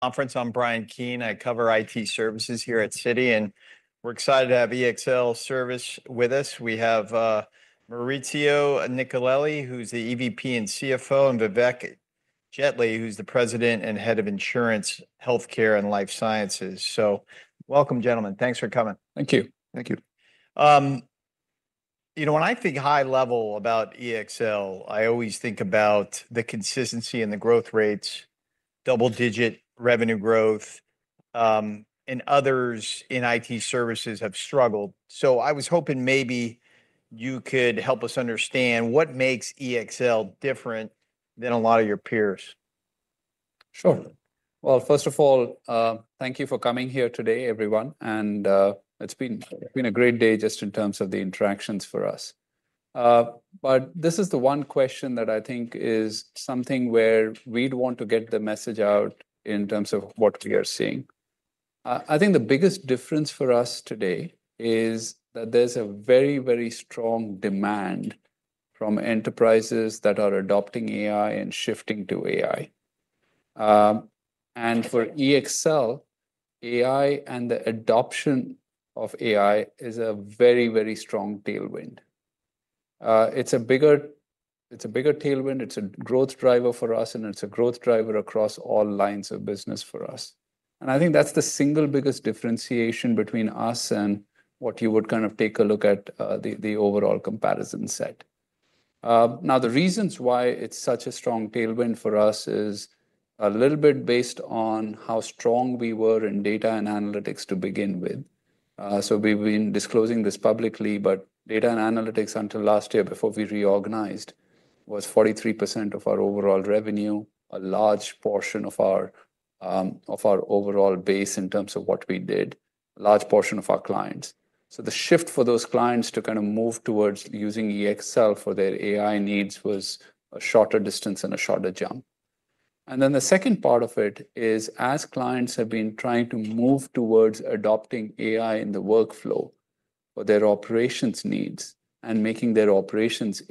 ... conference. I'm Bryan Keane. I cover IT services here at Citi, and we're excited to have EXL Service with us. We have Maurizio Nicolelli, who's the EVP and CFO, and Vivek Jetley, who's the president and head of insurance, healthcare, and life sciences. So welcome, gentlemen. Thanks for coming. Thank you. Thank you. You know, when I think high level about EXL, I always think about the consistency and the growth rates, double-digit revenue growth, and others in IT services have struggled. So I was hoping maybe you could help us understand what makes EXL different than a lot of your peers? Sure. Well, first of all, thank you for coming here today, everyone, and it's been a great day just in terms of the interactions for us, but this is the one question that I think is something where we'd want to get the message out in terms of what we are seeing. I think the biggest difference for us today is that there's a very, very strong demand from enterprises that are adopting AI and shifting to AI, and for EXL, AI and the adoption of AI is a very, very strong tailwind. It's a bigger tailwind, it's a growth driver for us, and it's a growth driver across all lines of business for us. And I think that's the single biggest differentiation between us and what you would kind of take a look at, the overall comparison set. Now, the reasons why it's such a strong tailwind for us is a little bit based on how strong we were in data and analytics to begin with. So we've been disclosing this publicly, but data and analytics, until last year before we reorganized, was 43% of our overall revenue, a large portion of our overall base in terms of what we did, a large portion of our clients. So the shift for those clients to kind of move towards using EXL for their AI needs was a shorter distance and a shorter jump. And then the second part of it is, as clients have been trying to move towards adopting AI in the workflow for their operations needs and making their operations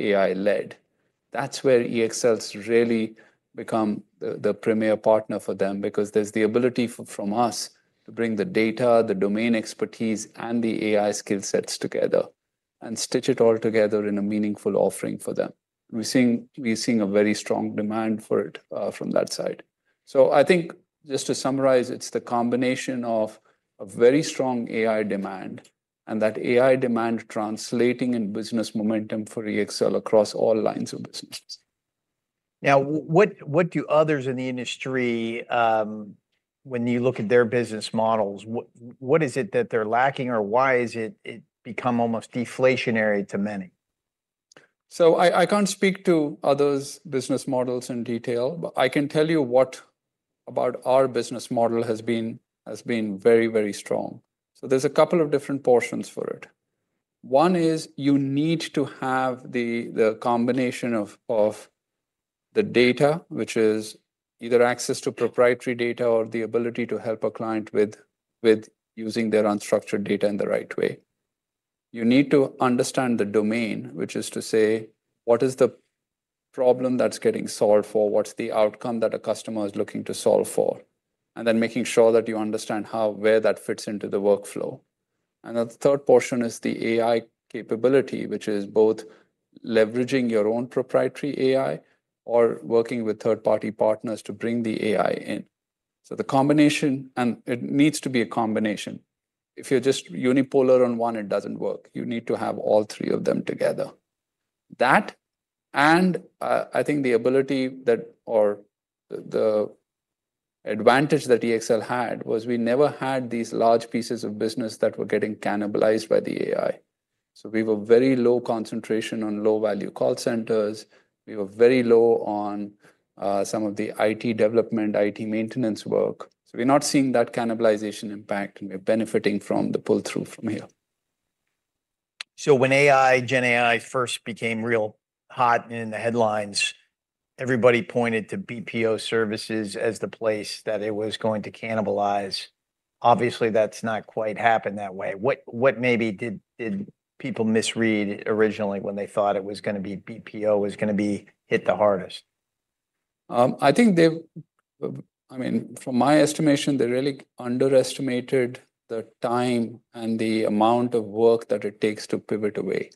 AI-led, that's where EXL's really become the premier partner for them. Because there's the ability from us to bring the data, the domain expertise, and the AI skill sets together and stitch it all together in a meaningful offering for them. We're seeing a very strong demand for it from that side. So I think, just to summarize, it's the combination of a very strong AI demand and that AI demand translating in business momentum for EXL across all lines of businesses. Now, what do others in the industry, when you look at their business models, what is it that they're lacking, or why is it become almost deflationary to many? So I can't speak to others' business models in detail, but I can tell you what about our business model has been very, very strong. So there's a couple of different portions for it. One is you need to have the combination of the data, which is either access to proprietary data or the ability to help a client with using their unstructured data in the right way. You need to understand the domain, which is to say, what is the problem that's getting solved, or what's the outcome that a customer is looking to solve for? And then making sure that you understand how where that fits into the workflow. And the third portion is the AI capability, which is both leveraging your own proprietary AI or working with third-party partners to bring the AI in. So the combination... And it needs to be a combination. If you're just unipolar on one, it doesn't work. You need to have all three of them together. That, and, I think the ability that or the, the advantage that EXL had was we never had these large pieces of business that were getting cannibalized by the AI. So we were very low concentration on low-value call centers. We were very low on, some of the IT development, IT maintenance work. So we're not seeing that cannibalization impact, and we're benefiting from the pull-through from here. So when AI, GenAI first became real hot in the headlines, everybody pointed to BPO services as the place that it was going to cannibalize. Obviously, that's not quite happened that way. What maybe did people misread originally when they thought it was gonna be BPO was gonna be hit the hardest? I think they... I mean, from my estimation, they really underestimated the time and the amount of work that it takes to pivot away.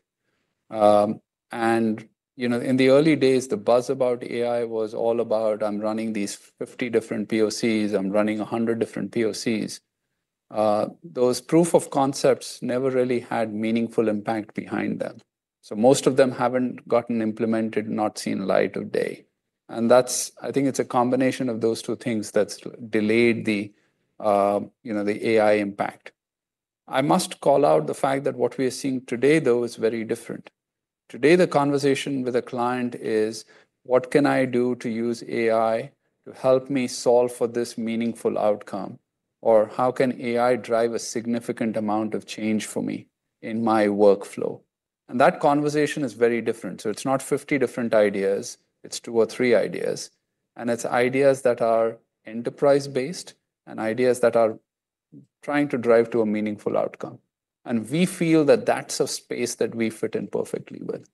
And, you know, in the early days, the buzz about AI was all about, "I'm running these fifty different POCs. I'm running a hundred different POCs." Those proof of concepts never really had meaningful impact behind them, so most of them haven't gotten implemented, not seen the light of day. And that's. I think it's a combination of those two things that's delayed the, you know, the AI impact. I must call out the fact that what we are seeing today, though, is very different. Today, the conversation with a client is: What can I do to use AI to help me solve for this meaningful outcome? Or how can AI drive a significant amount of change for me in my workflow? That conversation is very different. It's not fifty different ideas, it's two or three ideas, and it's ideas that are enterprise-based and ideas that are trying to drive to a meaningful outcome, and we feel that that's a space that we fit in perfectly with.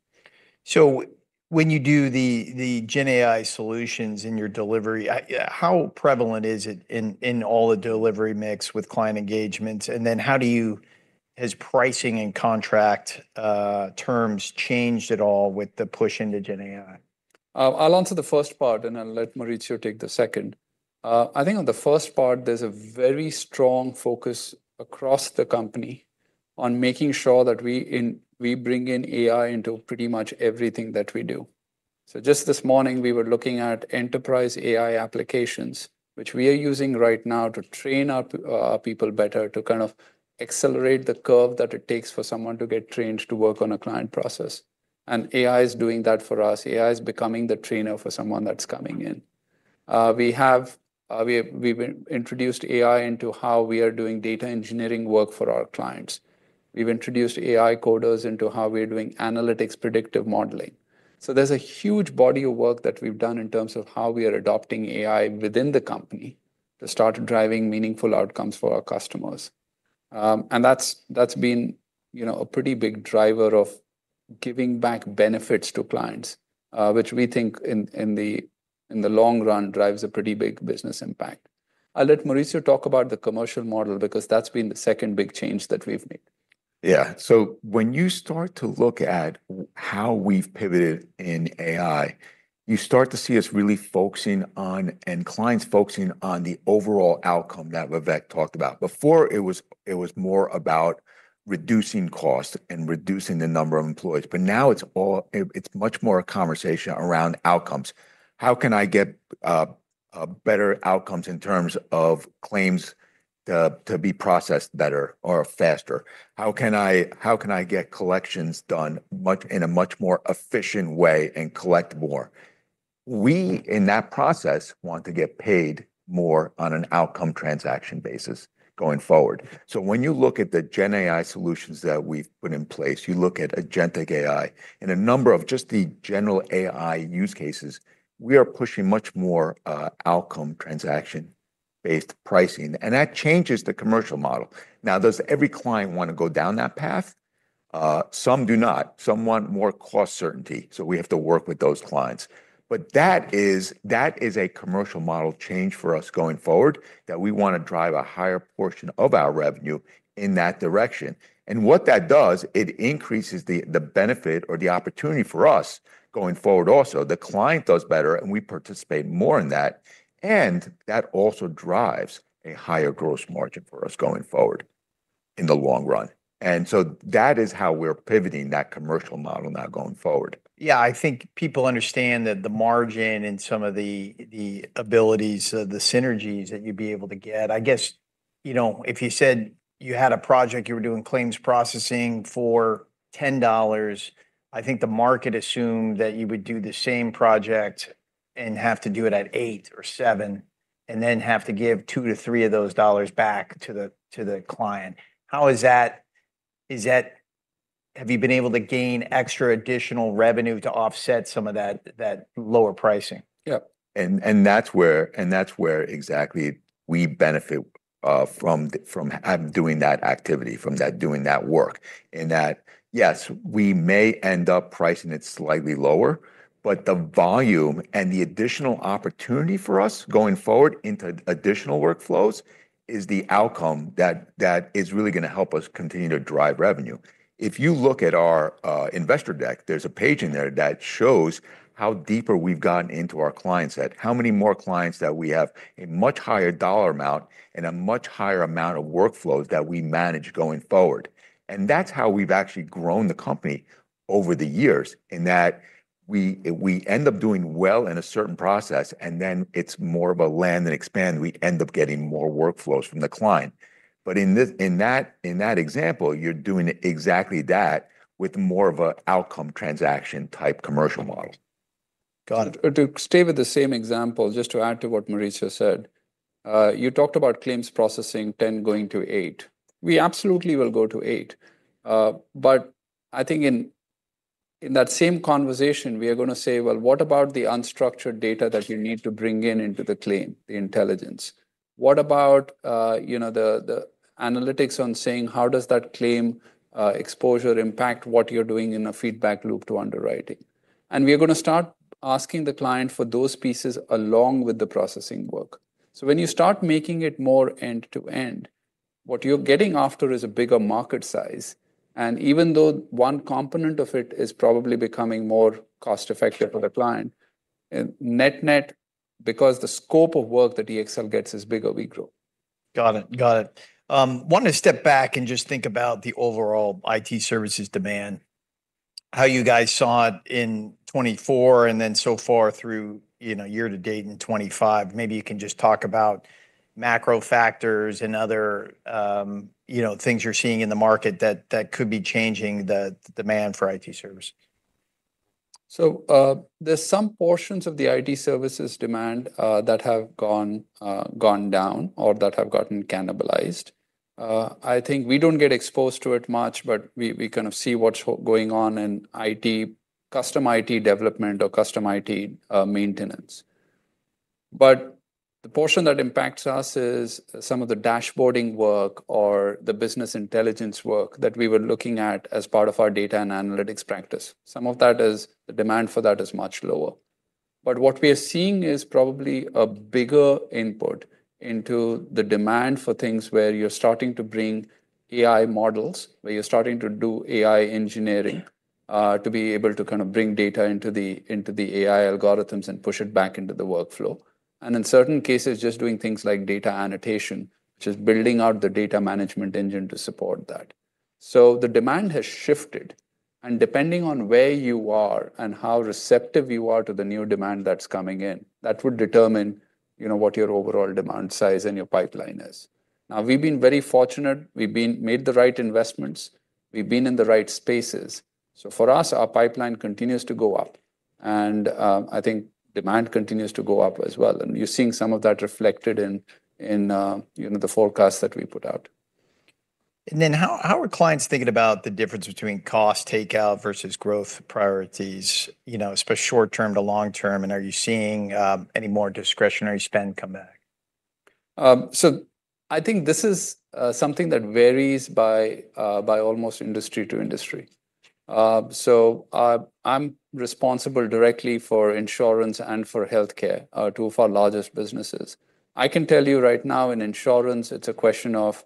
So when you do the GenAI solutions in your delivery, how prevalent is it in all the delivery mix with client engagements? And then how has pricing and contract terms changed at all with the push into GenAI? I'll answer the first part, and I'll let Maurizio take the second. I think on the first part, there's a very strong focus across the company on making sure that we bring in AI into pretty much everything that we do. So just this morning, we were looking at enterprise AI applications, which we are using right now to train our people better to kind of accelerate the curve that it takes for someone to get trained to work on a client process, and AI is doing that for us. AI is becoming the trainer for someone that's coming in. We've introduced AI into how we are doing data engineering work for our clients. We've introduced AI coders into how we are doing analytics predictive modeling. So there's a huge body of work that we've done in terms of how we are adopting AI within the company to start driving meaningful outcomes for our customers. And that's been, you know, a pretty big driver of giving back benefits to clients, which we think in the long run drives a pretty big business impact. I'll let Maurizio talk about the commercial model because that's been the second big change that we've made. Yeah. So when you start to look at how we've pivoted in AI, you start to see us really focusing on, and clients focusing on the overall outcome that Vivek talked about. Before, it was more about reducing cost and reducing the number of employees, but now it's all, it's much more a conversation around outcomes. How can I get a better outcomes in terms of claims to be processed better or faster? How can I get collections done in a much more efficient way and collect more? We, in that process, want to get paid more on an outcome transaction basis going forward. So when you look at the GenAI solutions that we've put in place, you look at agentic AI. In a number of just the general AI use cases, we are pushing much more, outcome transaction-based pricing, and that changes the commercial model. Now, does every client want to go down that path? Some do not. Some want more cost certainty, so we have to work with those clients. But that is a commercial model change for us going forward, that we want to drive a higher portion of our revenue in that direction. And what that does, it increases the benefit or the opportunity for us going forward also. The client does better, and we participate more in that, and that also drives a higher gross margin for us going forward in the long run. And so that is how we're pivoting that commercial model now going forward. Yeah, I think people understand that the margin and some of the abilities, the synergies that you'd be able to get. I guess, you know, if you said you had a project, you were doing claims processing for $10. I think the market assumed that you would do the same project and have to do it at $8 or $7, and then have to give $2-$3 of those dollars back to the client. How is that? Is that- have you been able to gain extra additional revenue to offset some of that lower pricing? Yep. That's where exactly we benefit from doing that activity, from doing that work. In that, yes, we may end up pricing it slightly lower, but the volume and the additional opportunity for us going forward into additional workflows is the outcome that is really going to help us continue to drive revenue. If you look at our investor deck, there's a page in there that shows how deeper we've gotten into our client set, how many more clients that we have a much higher dollar amount and a much higher amount of workflows that we manage going forward. That's how we've actually grown the company over the years, in that we end up doing well in a certain process, and then it's more of a land and expand. We end up getting more workflows from the client. But in that example, you're doing exactly that with more of a outcome transaction-type commercial model. Got it. To stay with the same example, just to add to what Maurizio said, you talked about claims processing, $10 going to $8. We absolutely will go to $8. But I think in that same conversation, we are going to say: Well, what about the unstructured data that you need to bring in into the claim, the intelligence? What about, you know, the analytics on saying, how does that claim exposure impact what you're doing in a feedback loop to underwriting? And we are going to start asking the client for those pieces along with the processing work. So when you start making it more end-to-end, what you're getting after is a bigger market size, and even though one component of it is probably becoming more cost-effective for the client, net-net, because the scope of work that EXL gets is bigger, we grow. Got it. Got it. Want to step back and just think about the overall IT services demand, how you guys saw it in 2024, and then so far through, you know, year to date in 2025. Maybe you can just talk about macro factors and other, you know, things you're seeing in the market that could be changing the demand for IT service. So, there's some portions of the IT services demand that have gone down or that have gotten cannibalized. I think we don't get exposed to it much, but we kind of see what's going on in custom IT development or custom IT maintenance. But the portion that impacts us is some of the dashboarding work or the business intelligence work that we were looking at as part of our data and analytics practice. Some of that, the demand for that, is much lower. But what we are seeing is probably a bigger input into the demand for things where you're starting to bring AI models, where you're starting to do AI engineering to be able to kind of bring data into the AI algorithms and push it back into the workflow. In certain cases, just doing things like data annotation, which is building out the data management engine to support that. The demand has shifted, and depending on where you are and how receptive you are to the new demand that's coming in, that would determine, you know, what your overall demand size and your pipeline is. Now, we've been very fortunate. We've made the right investments, we've been in the right spaces. For us, our pipeline continues to go up, and I think demand continues to go up as well, and you're seeing some of that reflected in, you know, the forecast that we put out. And then how are clients thinking about the difference between cost takeout versus growth priorities, you know, especially short term to long term? And are you seeing any more discretionary spend come back? I think this is something that varies by almost industry to industry. I'm responsible directly for insurance and for healthcare, two of our largest businesses. I can tell you right now in insurance, it's a question of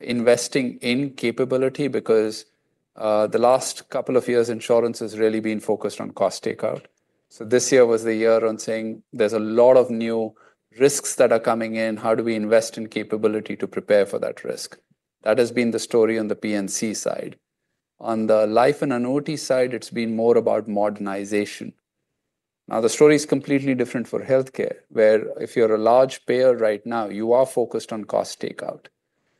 investing in capability because the last couple of years, insurance has really been focused on cost takeout. This year was the year on saying there's a lot of new risks that are coming in, how do we invest in capability to prepare for that risk? That has been the story on the P&C side. On the life and annuity side, it's been more about modernization. Now, the story is completely different for healthcare, where if you're a large payer right now, you are focused on cost takeout.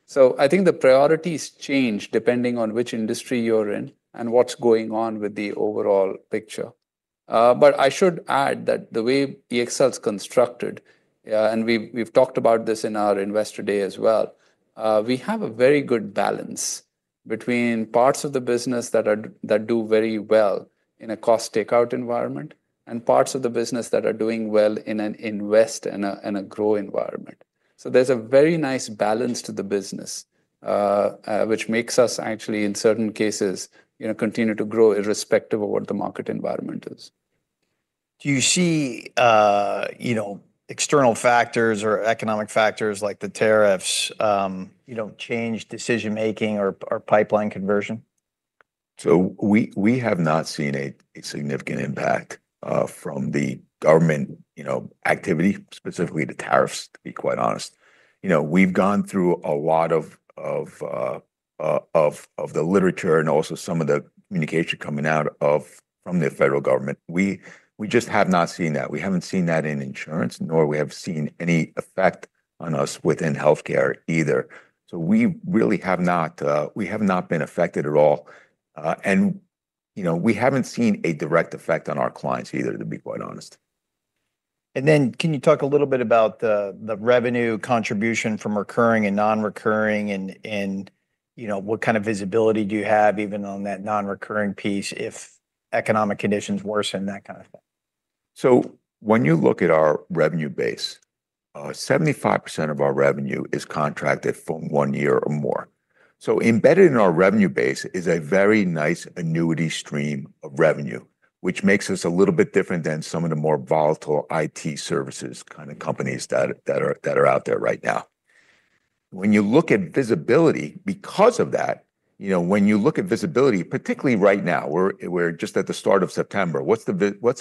So I think the priorities change depending on which industry you're in and what's going on with the overall picture. But I should add that the way EXL is constructed, and we've talked about this in our Investor Day as well, we have a very good balance between parts of the business that do very well in a cost takeout environment, and parts of the business that are doing well in an invest and a grow environment. So there's a very nice balance to the business, which makes us actually, in certain cases, you know, continue to grow irrespective of what the market environment is. Do you see, you know, external factors or economic factors like the tariffs, you know, change decision-making or pipeline conversion? So we have not seen a significant impact from the government, you know, activity, specifically the tariffs, to be quite honest. You know, we've gone through a lot of the literature and also some of the communication coming out from the federal government. We just have not seen that. We haven't seen that in insurance, nor we have seen any effect on us within healthcare either. So we really have not been affected at all. And, you know, we haven't seen a direct effect on our clients either, to be quite honest. Can you talk a little bit about the revenue contribution from recurring and non-recurring, and you know, what kind of visibility do you have even on that non-recurring piece, if economic conditions worsen, that kind of thing? So when you look at our revenue base, 75% of our revenue is contracted for one year or more. So embedded in our revenue base is a very nice annuity stream of revenue, which makes us a little bit different than some of the more volatile IT services kind of companies that are out there right now. When you look at visibility, because of that, you know, when you look at visibility, particularly right now, we're just at the start of September, what's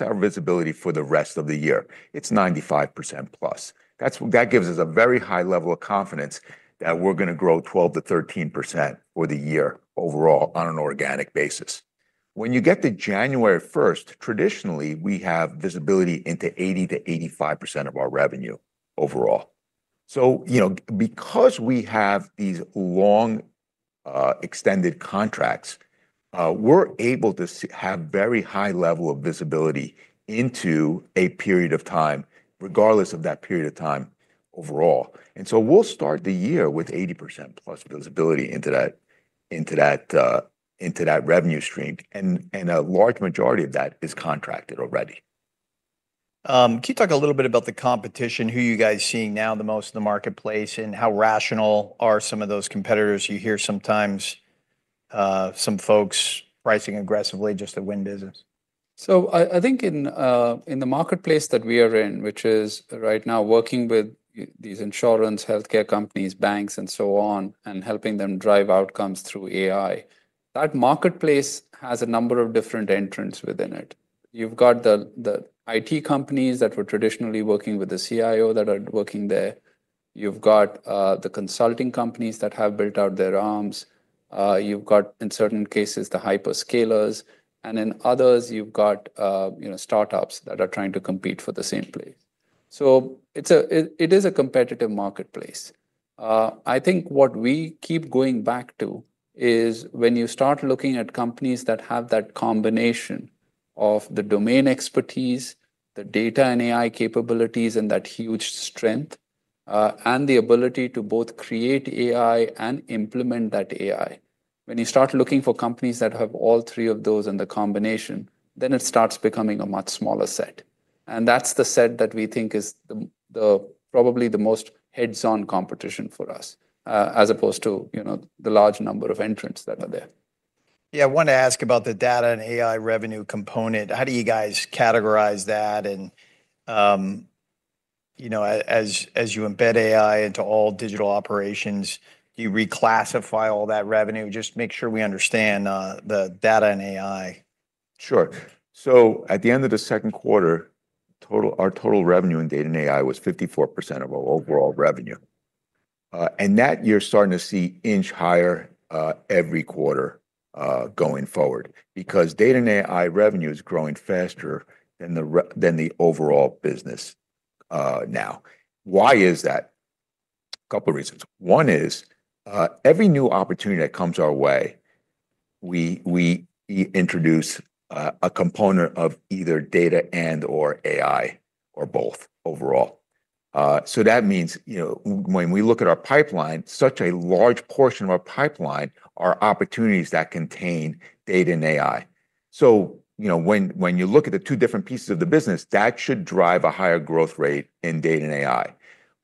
our visibility for the rest of the year? It's 95% plus. That gives us a very high level of confidence that we're going to grow 12%-13% for the year overall on an organic basis. When you get to January 1st, traditionally, we have visibility into 80%-85% of our revenue overall. So, you know, because we have these long, extended contracts, we're able to have very high level of visibility into a period of time, regardless of that period of time overall. And so we'll start the year with 80% plus visibility into that revenue stream, and a large majority of that is contracted already. Can you talk a little bit about the competition, who are you guys seeing now the most in the marketplace, and how rational are some of those competitors? You hear sometimes, some folks pricing aggressively just to win business. So I think in the marketplace that we are in, which is right now working with these insurance, healthcare companies, banks, and so on, and helping them drive outcomes through AI, that marketplace has a number of different entrants within it. You've got the IT companies that were traditionally working with the CIO, that are working there. You've got the consulting companies that have built out their arms. You've got, in certain cases, the hyperscalers, and in others, you've got you know, startups that are trying to compete for the same space. So it's a competitive marketplace. I think what we keep going back to is when you start looking at companies that have that combination of the domain expertise, the data and AI capabilities, and that huge strength, and the ability to both create AI and implement that AI, when you start looking for companies that have all three of those in the combination, then it starts becoming a much smaller set, and that's the set that we think is probably the most head-on competition for us, as opposed to, you know, the large number of entrants that are there. Yeah, I wanted to ask about the data and AI revenue component. How do you guys categorize that? And, you know, as you embed AI into all digital operations, do you reclassify all that revenue? Just make sure we understand the data and AI. Sure. So at the end of the second quarter, our total revenue in data and AI was 54% of our overall revenue. And that you're starting to see it inch higher every quarter going forward, because data and AI revenue is growing faster than the overall business now. Why is that? A couple of reasons. One is, every new opportunity that comes our way, we introduce a component of either data and/or AI or both overall. So that means, you know, when we look at our pipeline, such a large portion of our pipeline are opportunities that contain data and AI. So, you know, when you look at the two different pieces of the business, that should drive a higher growth rate in data and AI.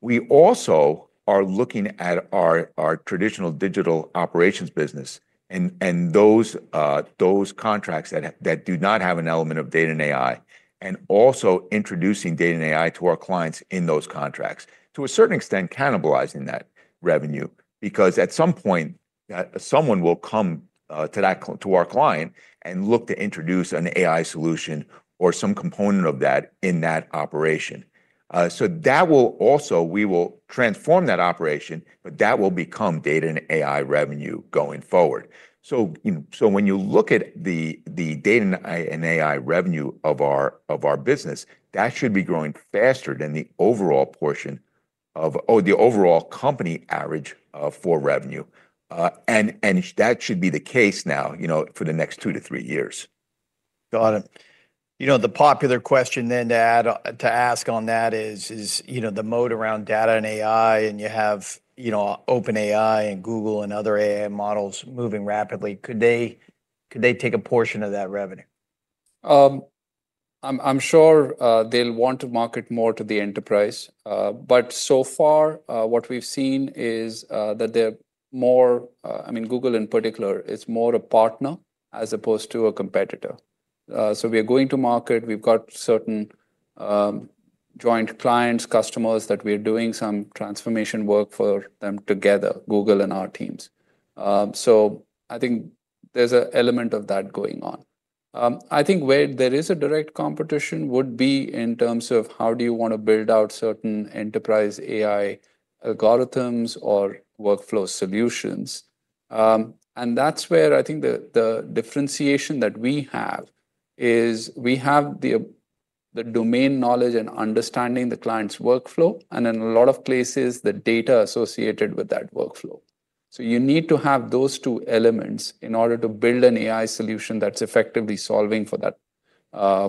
We also are looking at our traditional digital operations business and those contracts that do not have an element of data and AI, and also introducing data and AI to our clients in those contracts. To a certain extent, cannibalizing that revenue, because at some point, someone will come to our client and look to introduce an AI solution or some component of that in that operation. So that will also. We will transform that operation, but that will become data and AI revenue going forward. So, you know, so when you look at the data and AI revenue of our business, that should be growing faster than the overall portion of, or the overall company average, for revenue. and that should be the case now, you know, for the next two to three years. Got it. You know, the popular question then to add to ask on that is, you know, the moat around data and AI, and you have, you know, OpenAI and Google and other AI models moving rapidly, could they take a portion of that revenue? I'm sure they'll want to market more to the enterprise. But so far, what we've seen is that they're more. I mean, Google, in particular, is more a partner as opposed to a competitor. So we are going to market. We've got certain joint clients, customers, that we are doing some transformation work for them together, Google and our teams. So I think there's an element of that going on. I think where there is a direct competition would be in terms of how do you want to build out certain enterprise AI algorithms or workflow solutions. And that's where I think the differentiation that we have is we have the domain knowledge and understanding the client's workflow, and in a lot of places, the data associated with that workflow. So you need to have those two elements in order to build an AI solution that's effectively solving for that,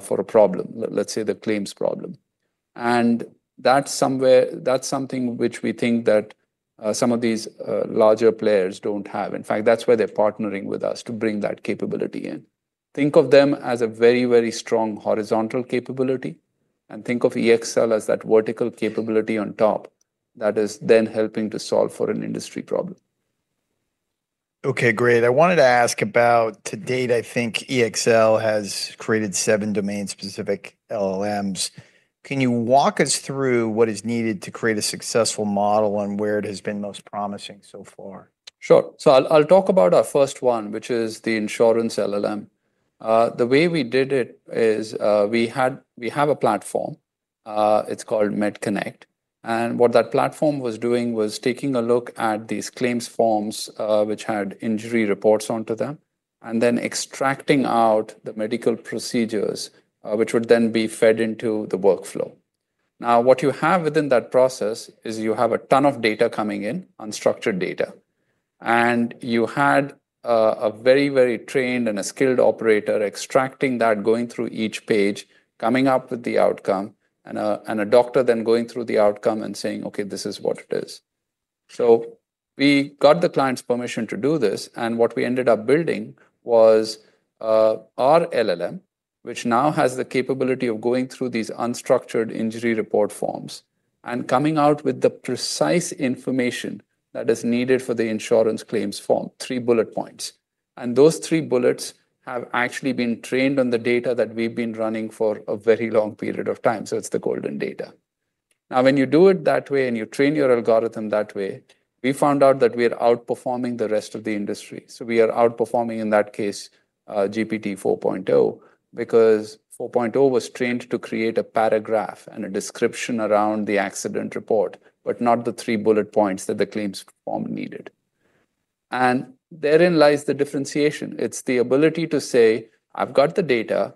for a problem, let's say the claims problem. And that's something which we think that, some of these, larger players don't have. In fact, that's why they're partnering with us, to bring that capability in. Think of them as a very, very strong horizontal capability, and think of EXL as that vertical capability on top that is then helping to solve for an industry problem. Okay, great. I wanted to ask about, to date, I think EXL has created seven domain-specific LLMs. Can you walk us through what is needed to create a successful model and where it has been most promising so far? Sure. So I'll talk about our first one, which is the insurance LLM. The way we did it is, we have a platform, it's called MedConnect, and what that platform was doing was taking a look at these claims forms, which had injury reports onto them, and then extracting out the medical procedures, which would then be fed into the workflow. Now, what you have within that process is you have a ton of data coming in, unstructured data, and you had a very, very trained and a skilled operator extracting that, going through each page, coming up with the outcome, and a doctor then going through the outcome and saying, "Okay, this is what it is." So we got the client's permission to do this, and what we ended up building was our LLM, which now has the capability of going through these unstructured injury report forms and coming out with the precise information that is needed for the insurance claims form, three bullet points. And those three bullets have actually been trained on the data that we've been running for a very long period of time, so it's the golden data. Now, when you do it that way, and you train your algorithm that way, we found out that we are outperforming the rest of the industry. So we are outperforming, in that case, GPT 4.0, because 4.0 was trained to create a paragraph and a description around the accident report, but not the three bullet points that the claims form needed. And therein lies the differentiation. It's the ability to say, "I've got the data,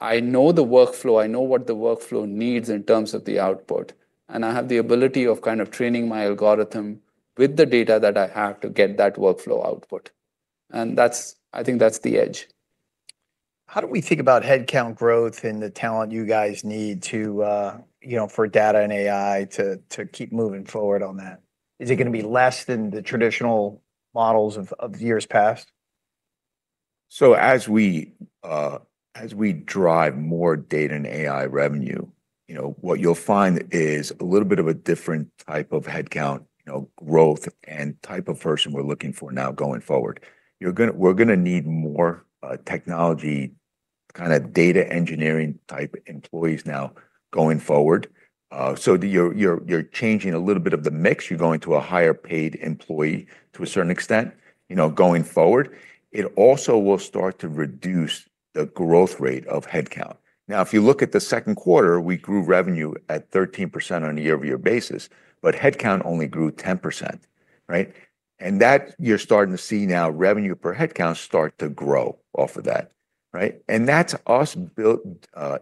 I know the workflow, I know what the workflow needs in terms of the output, and I have the ability of kind of training my algorithm with the data that I have to get that workflow output." And that's - I think that's the edge. ... How do we think about headcount growth and the talent you guys need to, you know, for data and AI to keep moving forward on that? Is it going to be less than the traditional models of years past? As we drive more data and AI revenue, you know, what you'll find is a little bit of a different type of headcount, you know, growth, and type of person we're looking for now going forward. We're going to need more technology, kind of data engineering-type employees now going forward. So you're changing a little bit of the mix. You're going to a higher-paid employee to a certain extent, you know, going forward. It also will start to reduce the growth rate of headcount. Now, if you look at the second quarter, we grew revenue at 13% on a year-over-year basis, but headcount only grew 10%, right? That you're starting to see now revenue per headcount start to grow off of that, right? And that's us building,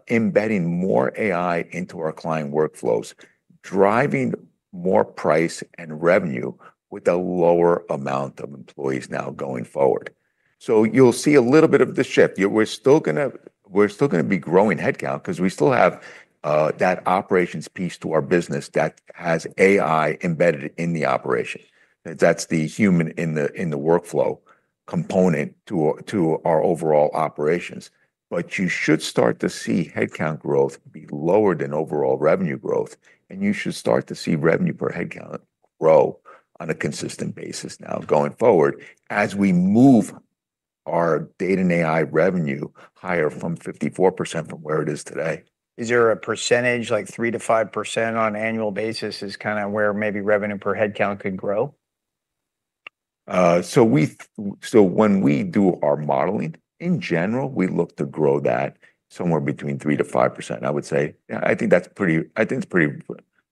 embedding more AI into our client workflows, driving more price and revenue with a lower amount of employees now going forward. So you'll see a little bit of the shift. We're still going to be growing headcount because we still have that operations piece to our business that has AI embedded in the operation. That's the human in the workflow component to our overall operations. But you should start to see headcount growth be lower than overall revenue growth, and you should start to see revenue per headcount grow on a consistent basis now going forward, as we move our data and AI revenue higher from 54% from where it is today. Is there a percentage, like 3%-5% on an annual basis, is kind of where maybe revenue per headcount could grow? So when we do our modeling, in general, we look to grow that somewhere between 3%-5%, I would say. Yeah, I think that's pretty... I think it's pretty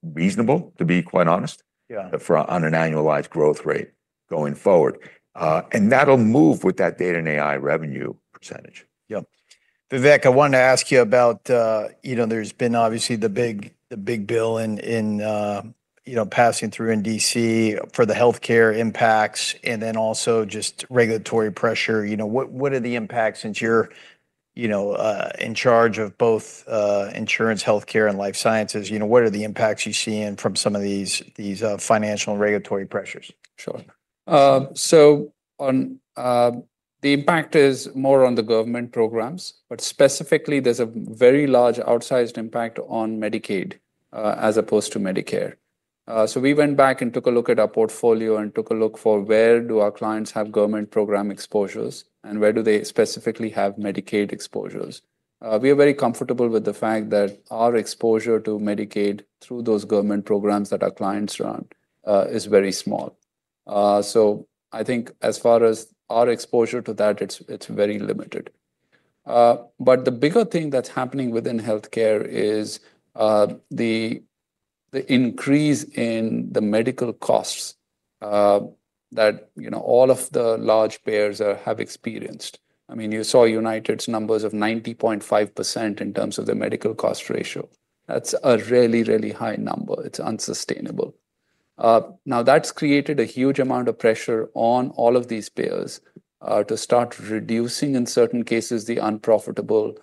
reasonable, to be quite honest- Yeah... for on an annualized growth rate going forward. And that'll move with that data and AI revenue percentage. Yeah. Vivek, I wanted to ask you about, you know, there's been obviously the big bill in, you know, passing through in DC for the healthcare impacts and then also just regulatory pressure. You know, what are the impacts, since you're, you know, in charge of both, insurance, healthcare, and life sciences? You know, what are the impacts you're seeing from some of these, financial and regulatory pressures? Sure. So on, the impact is more on the government programs, but specifically, there's a very large outsized impact on Medicaid, as opposed to Medicare. So we went back and took a look at our portfolio and took a look for where do our clients have government program exposures, and where do they specifically have Medicaid exposures? We are very comfortable with the fact that our exposure to Medicaid through those government programs that our clients run, is very small. So I think as far as our exposure to that, it's, it's very limited. But the bigger thing that's happening within healthcare is the increase in the medical costs, that you know, all of the large payers have experienced. I mean, you saw United's numbers of 90.5% in terms of the medical cost ratio. That's a really, really high number. It's unsustainable. Now, that's created a huge amount of pressure on all of these payers to start reducing, in certain cases, the unprofitable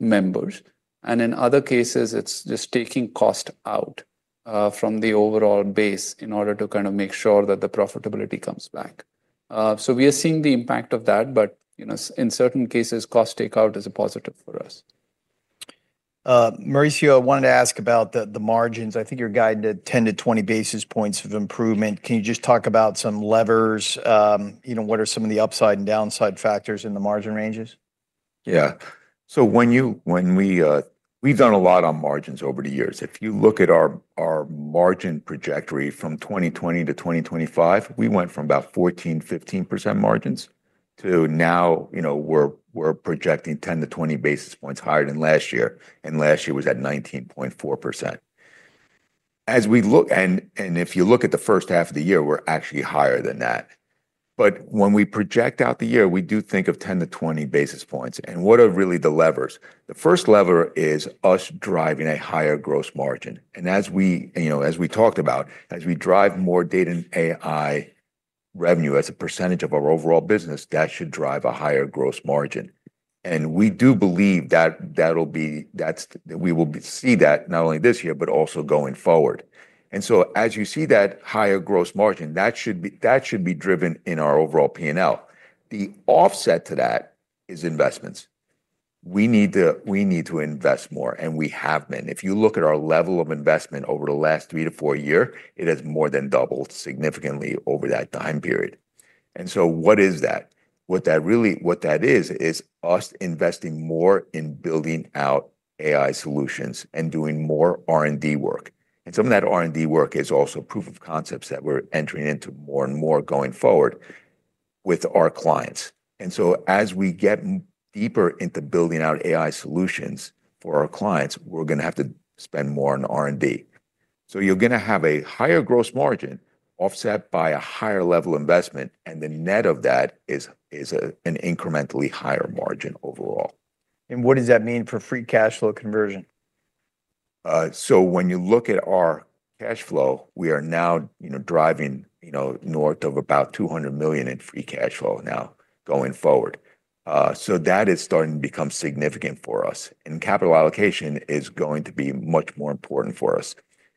members. And in other cases, it's just taking cost out from the overall base in order to kind of make sure that the profitability comes back. So we are seeing the impact of that, but, you know, in certain cases, cost takeout is a positive for us. Maurizio, I wanted to ask about the margins. I think you're guiding to 10-20 basis points of improvement. Can you just talk about some levers? You know, what are some of the upside and downside factors in the margin ranges? Yeah. So when we... We've done a lot on margins over the years. If you look at our margin trajectory from 2020 to 2025, we went from about 14%-15% margins to now, you know, we're projecting 10-20 basis points higher than last year, and last year was at 19.4%. And if you look at the first half of the year, we're actually higher than that. But when we project out the year, we do think of 10-20 basis points. And what are really the levers? The first lever is us driving a higher gross margin. And as we, you know, as we talked about, as we drive more data and AI revenue as a percentage of our overall business, that should drive a higher gross margin. We do believe that that'll be that we will see that not only this year, but also going forward. So as you see that higher gross margin, that should be driven in our overall P&L. The offset to that is investments. We need to invest more, and we have been. If you look at our level of investment over the last three to four years, it has more than doubled significantly over that time period. So what is that? What that really is, is us investing more in building out AI solutions and doing more R&D work. Some of that R&D work is also proof of concepts that we're entering into more and more going forward with our clients. And so as we get deeper into building out AI solutions for our clients, we're going to have to spend more on R&D. So you're going to have a higher gross margin offset by a higher level investment, and the net of that is an incrementally higher margin overall. What does that mean for free cash flow conversion? So when you look at our cash flow, we are now, you know, driving, you know, north of about $200 million in free cash flow now going forward. So that is starting to become significant for us, and capital allocation is going to be much more important for us.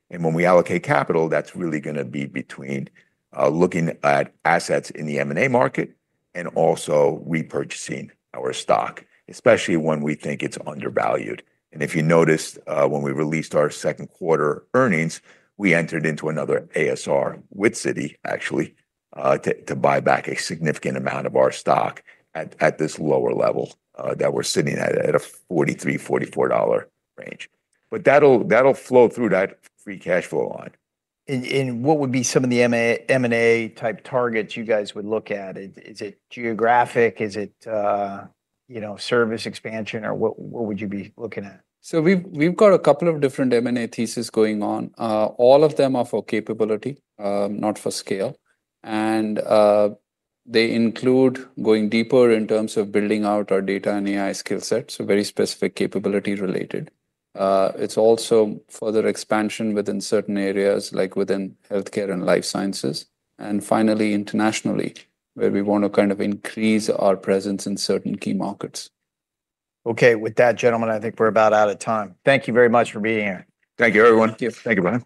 When we allocate capital, that's really going to be between looking at assets in the M&A market and also repurchasing our stock, especially when we think it's undervalued. And if you noticed, when we released our second quarter earnings, we entered into another ASR with Citi, actually, to buy back a significant amount of our stock at this lower level that we're sitting at, at a $43-$44 range. But that'll flow through that free cash flow line. What would be some of the M&A-type targets you guys would look at? Is it geographic? Is it, you know, service expansion, or what would you be looking at? So we've got a couple of different M&A theses going on. All of them are for capability, not for scale, and they include going deeper in terms of building out our data and AI skill sets, so very specific capability-related. It's also further expansion within certain areas, like within healthcare and life sciences, and finally, internationally, where we want to kind of increase our presence in certain key markets. Okay. With that, gentlemen, I think we're about out of time. Thank you very much for being here. Thank you, everyone. Yeah. Thank you, Bryan.